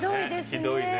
ひどいね。